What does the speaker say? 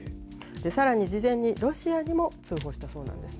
さらに事前に、ロシアにも通報したそうなんですね。